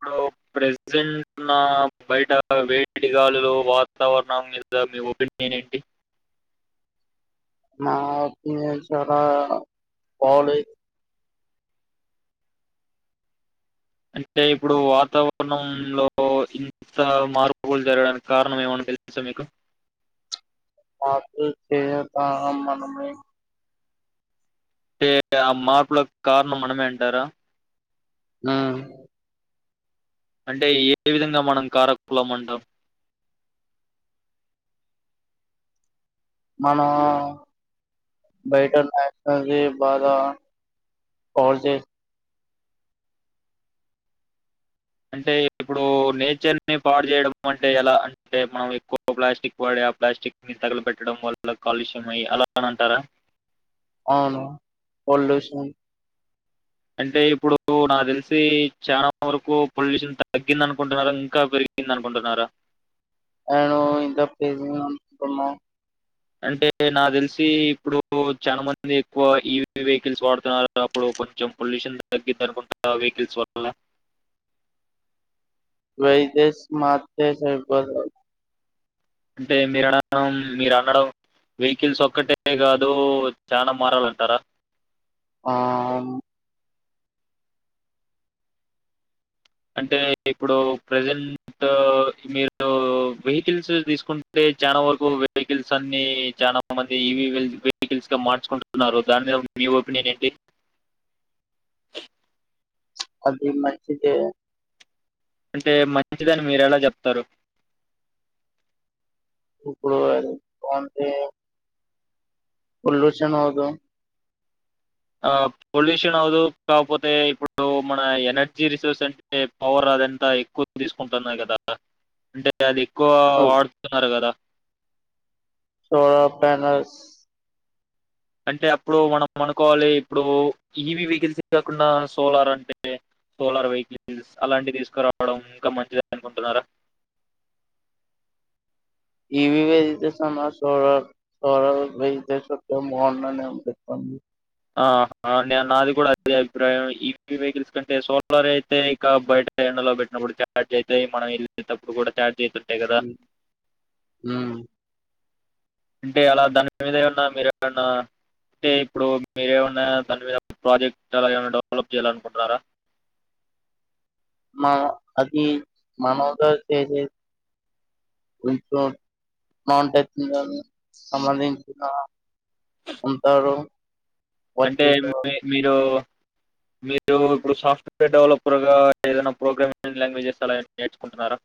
Hello ఇప్పుడు ప్రజె నా బయట వేడిగాలులో వాతావరణం మీద మీ ఒపీెనియన్ ఏంటి మాకు చాలా బాలేదు అంటే ఇప్పుడు వాతావరణ లో ఇంత మార్పులు జరగడానికి కారణం ఏమంట తెళ్ళ స మీకు మార్పులు చేయదాహ మనమే అంటే ఆ మార్పుల కారణం మనమేంటారా ఆ అంటే ఏ విధంగా మనం కారకులం మండం మనము బైట బద కాలజస్ అంటే ఇప్పుడు నేచర్ని పాడు చేేయడం అంటే ఎలా అంటే మనం ఎక్కువ ప్లాస్టిక్ పాడే ప్లాస్టిక్ ని తగల పెెట్టడం వల్ల కాలుష్యం అయ్యి అలా అనింటారా అవును ప్యూషన్ అంటే ఇప్పుడు నాకు తెలిసి చాలా వరకు పొల్యూషన్ తగ్గింది అనుకుంటున్నారు ఇంకా పెరిగి ఇింద అనుకుంటన్నార నేను ఇంత పజ అనుకుంటున్నా అంటే నాకు తెలిసి ఇప్పుడు చాలా మంది ఎక్కువ ఈ వెహికల్స్ వాడుతున్నారు అప్పుడు కొంచెం పొల్యూషన్ తగ్గింది అనుకుంట వెహికల్స్ వల్ వైదస్ మాధ సైప అంటే మీర మీరు అనడం వెహికల్స్ ఒక్కటే కా అదు చానా మారాలంటారా ఆ అంటే ఇప్పుడు ప్రజెంట్ మీరు వెహికల్స్ తీసుకుంటే చాలా వరకు వెహికల్స్ అన్ని చాలా మంది ఈవి వెహికల్స్ గా మార్చుకుంటున్నారు దాని మీ ఒప్పినేనుంంటి అది మంచితే అంటే మంచిదని మీరు ఎలా చెప్తారు ఇప్పుడు ఎ అంటే పొల్యూషన్ హవుదు ఆ పొల్యూషన్ అవదు కాకపోతే ఇప్పుడు మన ఎనర్జీ రిసోర్స్ అంటే పవర్ అదంతా ఎక్కువ తీసుకుంటున్నారు కదా అంటే అది ఎక్కువ వాడుతున్నారు కదా సోరా పనల్స్ అంటే అప్పుడు మనం అనుకోవాలి ఇప్పుడు ఈవి వెహికల్స్ కాకుండా సోలార్ అంటే సోలార్ వెహికల్స్ అలాంటివి తీసుకురావడం ఇంకా మంచిద అనుకుంటున్నారా ఇవి వెజిటేషన్ సరర వెజిటేషన్ చెంది ఆ నే నాది కూడా అదే అభిప్రాయం ఈపీ వెహికల్స్ కంటే సోలార్ అయితే ఇక బయట ఎ లో పెట్నప్పుడు చార్్ అవుతా మనం వెళేటప్పుడు కూడా చార్జ్వు ఆ అంటే అలా దాని మీద ఏమన్నా మీరు ఏన్నా అంటే ఇప్పుడు మీరేమన్నా దాని మీద ప్రాజెక్ట్ అలా ఏమన్నా డెవలప్ చేయాల అనుకుంటున్నారా మా అది మనోద చేంజ్ చెస్ కొంచెం మౌన్ టెస్ట్ గాని సంబంధించిన అంటారు అంటే మీ మీరు మీరు ఇప్పుడు సాఫ్ట్వేర్ డెవలపర్ గా ఏదనా ప్రోగ్రామింగ్ లాంగ్వేజెస్ అలా ఏం నేర్చుకుంటన్నారా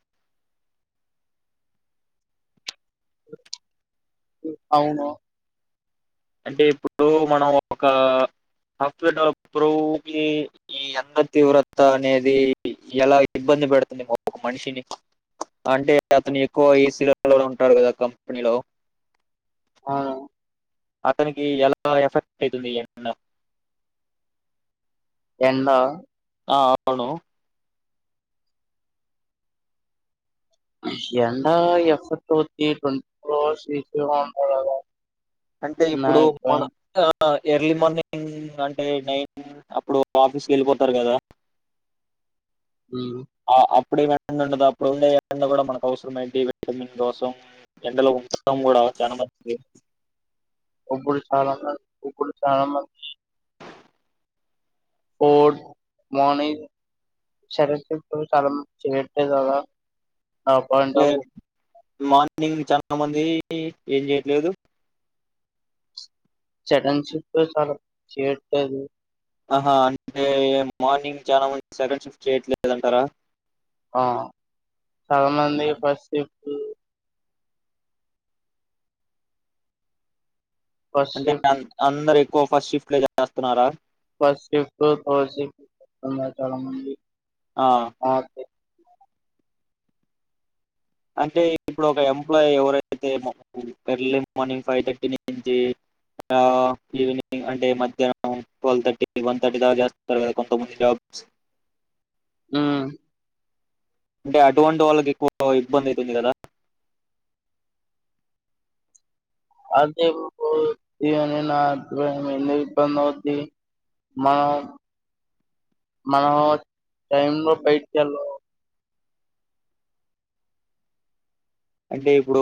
అవును అంటే ఇప్పుడు మనం ఒక సాఫ్ట్వేర్ డెవలపర్ కి ఈ అంద తీవ్రత అనేది ఎలా ఇబ్బంది ఇబ్బంది పెడుతుంది ఏమో ఒక మనిషిని అంటే అతను ఎక్కువ ఏసీలలో ఉంటాడు కదా కంపెనీలో ఆ అతనికి ఎలా ఎఫెక్ట్ అయితది ఎండ ఎండ ఆ అవును ఎండ [unintelligible] అంటే నా ఇప్పుడు మన అభిప్రాయం ఎర్లీ మార్నింగ్ అంటే నైన్ అప్పుడు ఆఫీస్కి వెళ్ళిపోతారు కదా అ ఇప్పుడు ఈ ఎండ ఉండదు అప్పుడు ఉండే ఎండ కూడా మనకు అవసరం ఏంటి విటమిన్ కోసం ఎండలో ఉంటాం కూడా చానా మంది ఒబ్బులు చాలా స ఒబ్బులు చాలా మంది ఫోర్ట్ మనింగ్ షరీఫ్ ఇట్లు చాలా మంది చేయట్లే కదా అప్ అండ్ అంటే డౌన్ మార్నింగ్ చాలా మంది ఏం చేయట్లేదు చెడ చట్ట చాలా చేయట్లేదు ఆహా అంటే మార్నింగ్ చాలా మంది సెకన్ షిఫ్ట్ చేయట్లేదంటారా ఆ చాలా మంది ఫస్ట్ షిఫ్ట్ ఫస్ట్ అంటే షిఫ్ట్ అంద అందరు ఎక్కువ ఫస్ట్ షిఫ్ట్ కు చేస్తున్నారా ఫస్ట్ షిఫ్ట్ థర్డ్ షిఫ్ట్ ఉన్నారు చాలామంది ఆ! ఆకే అంటే ఇప్పుడు ఒక ఎంప్లాయీ ఎవరైతే ఎర్లీ మార్నింగ్ ఫైవ్ థర్టీ నుంచి ఈవినింగ్ అంటే మధ్యాహ్నం ట్వెల్వ్ థర్టీ వన్ థర్టీ దాకా చేస్తారు కదా కొంతమంది జాబ్స్ ఆ అంటే అటువంటి వాళ్ళకి ఎక్కువ ఇబ్బంది అవుతుంది కదా అదే బ్రో ఇగ నిన్న ఎందుకు ఇబ్బంది అవుద్ది మనం మనో టైమ్ లో బయటిలో అంటే ఇప్పుడు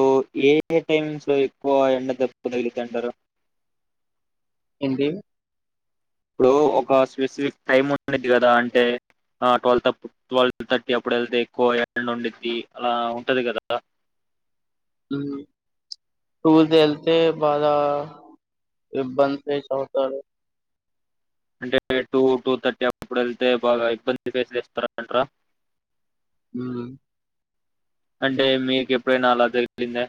ఏ ఏ టైమ్స్ లో ఎక్కువ ఎండ దెబ్బ తగిలిందంటారు ఏంది ఇప్పుడు ఒక స్పెసిఫిక్ టైమ్ ఉండది కదా అంటే ట్వల్ ట్వెల్వ్ థర్టీ అప్పుడు ఇప్పుడు వెళ్తే ఎక్కువ ఎండ వండుద్ది అలా ఉంటది కదా అ టూల్ తేళ్తే బాగా ఇబ్బంది చవుతారు అంటే టూ టూ థర్టీ అప్పుడు వెళ్తే బాగా ఇబ్బంది ఫేస్ చేస్తారు అంటార అ అంటే మీకు ఎప్పుడైనా అలా జరిగిపోయిందా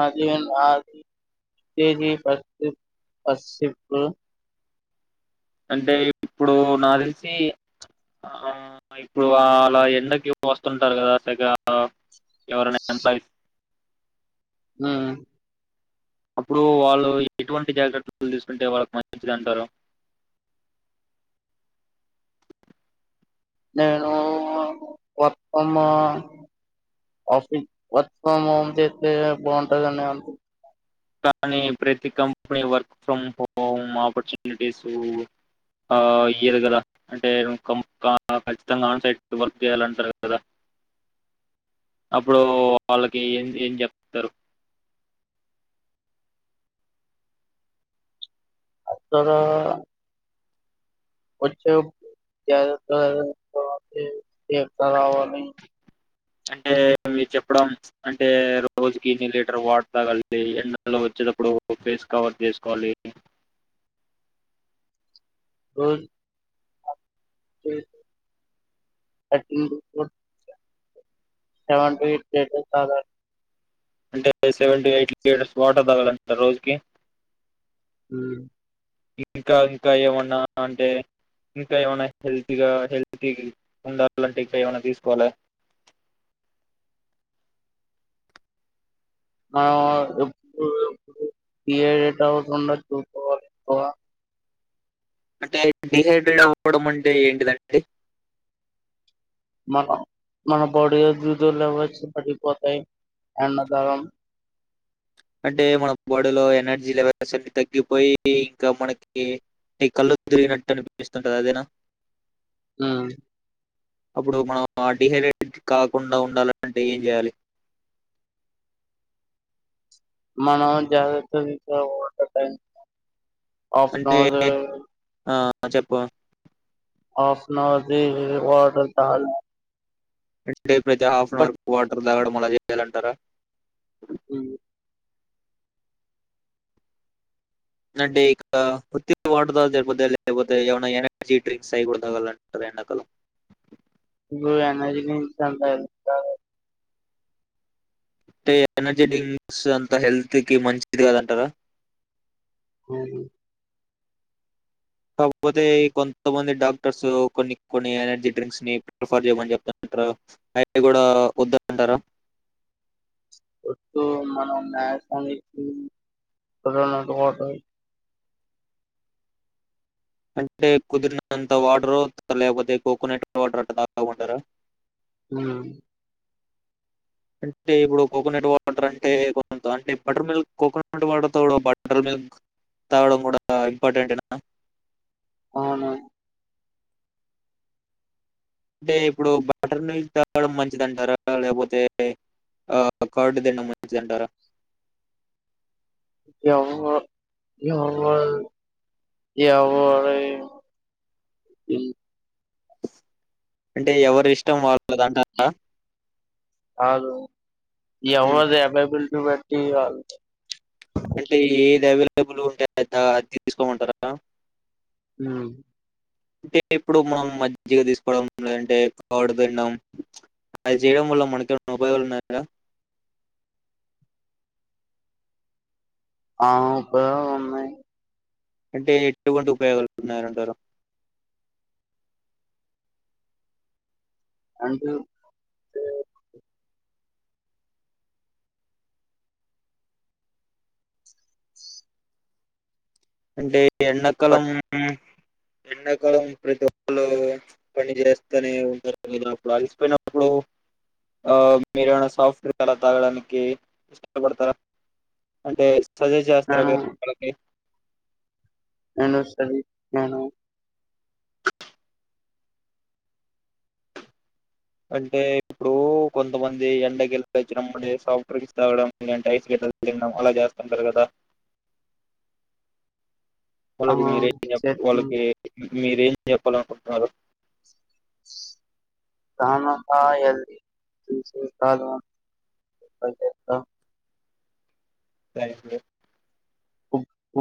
ఆది ఆదిజ పపు అంటే ఇప్పుడు నాకు తెలిసి ఆ ఇప్పుడు అలా ఎండకి వస్తుంటారు కదా తెగ ఎవరనే అంతాయి ఊ అప్పుడు వాళ్ళు ఎటువంటి జాకెట్ తీసుకుంటే వాళ్ళకి మంచిది అంటారు నేను మత్తమా ఆఫీస్ వర్క్ ఫ్రమ్ హోమ్ చేస్తే బాగుంటందండి అ కానీ ప్రతి company work from home opportunities ఆ ఇయ్యదు కదా అంటే ఖచ్చితంగా ఆన్ సైట్ వర్క్ చేయాలంటారు కదా అప్పుడు వాళ్ళకి ఏం ఏం చెప్తారు తర వచ్చ జదత దవత రావాలని [unintelligible] అంటే మీరు చెప్పడం అంటే రోజుకి ఇన్ని లీటర్ వాటర్ తాగలిడి ఎండలో వచ్చి ప్పుడు ఫేస్ కవర్ చేసుకోవాలి అ థర్టీన్ సెవెన్ టు ఎయిట్ అంటే seven to eight litres water తగలంటారు రోజుకి ఊ ఇంకా ఇంకా ఏమన్నా అంటే ఇంకా ఏమనా హెల్తీగా హెల్తీ ఉండాలంటే ఇంకా ఏమనా తీసుకోవాలి ఆ డట్ అవుట్ ఉండ చూకోవాలి ఎవా అంటే డిసైడెడ్ అవ్వడం అంటే ఏంటిదండి మన మన బాడీ జుదువ లెవల్స్ పరిగిపోతాయి ఎండ దగం అంటే మన బాడీలో ఎనర్జీ లెవెల్స్ అన్ని తగ్గిపోయి ఇంకా మనకి న కళ్ళు తిరిగినట్టు అనిపిస్తుంటంది అదేనా అ అప్పుడు మనం ఆ డిహైడ్రేట్ కాకుండా ఉండాలంటే ఏం చేయాలి మనం జాగ్రత్త తీ అంటే ఆఫ్నజ ఆ చెప్పు ఆఫనాది వాటర్ తాగాలి అంటే ప్రతి half an but hour quarter తాగడం అలా చేయాలంటారా అవు నండి ఇక ఉ వాట ద దర్పోతే ఎవన ఎనర్జీ డ్రింక్స్ ఆయిడ అంట [unintelligible] ఎండకలం ఇ ఎనజ ఇస [unintelligible] అంటే ఎనర్జీ డ్రింక్స్ అంత హెల్త్ కి మంచిది కదంటారా అవును కాకపోతే కొంతమంది డాక్టర్స్ కొన్ని కొన్ని ఎనర్జీ డ్రింక్స్ ని ప్రిఫర్ చేయమని చెప్త అంట్రు ఆయన కూడా వద్ద అంటారా ఎ మనయా సనిధణ కట [unintelligible] అంటే కుదిరినంత వాటర్ లేకపోతే కోకోనట్ వాటర్ అ తా ఉంటారా ఉమ్ అంటే ఇప్పుడు కోకనెట్ వాటర్ అంటే కొ అంటే బటర్ మిల్క్ కోకనట్ వాటర్ తో బటర్ మిల్క్ తాగడం కూడా ఇంపార్టెంటేన అవున అంటే ఇప్పుడు బటర్ మిల్క్ తాగడం మంచిది అంటారా లేకపోతే ఆ కార్డు తినడం ముంచిదంటారా ఏమ్మో జమ ఏమో ఓయ్ అంటే ఎవరి ఇష్టం వాళ్ళ దంటార కాదు ఉమ్. ఎవది ఎవైబిలిటీ బట్టి వాళ్ళ టేబుల్ ఉంటే అదా తీసుకోమంటారా హుమ్ అంటే ఇప్పుడు మనం మజ్జిగ తీసుకోవడం లేదంటే కార్డ్ తిన్డం అది చేయడం వల్ల మనకిె ఉపాయాలు ఉన్నాయడా ఆ ఇప్పుడో ఉన్నాయి అంటే ఎటువంటి ఉపయోగలుడుతున్నాయ్ అంటారు అంటే చె అంటే ఎండాకాలం ఎండాకాలం ప్రతి ఒక్కళు పని చేస్తనే ఉంటారు కదా అప్పుడు అలిసిపోయినప్పుడు ఆ మేర సాఫ్ట్వేర్ చాల తాగడానికి ఇష్టపడతారా అంటే సజెస్ట్ చేస్తార పట్టినాను మీరు నేను వాళ్ళకి నేను సజెస్ట్ చేయను అంటే ఇప్పుడూ కొంతమంది ఎండ గెల్ కొచ్చి నెమ్మడి సాఫ్ట్ డ్రింక్స్ తాగడం లేంటిే ఐస్ గడ్డలు తినడం అలా చేస్తుంటారు కదా ఆ వాళ్ళలకు మీరేం జెప్ చెట్టు వాళ్ళకి మీరేం చెప్పాలనుకుంటున్నారు దానంత ఎళ్ళి చూసేస్తాను అంతేగ సరె ఇప్పుడు ఓహ్ ఓ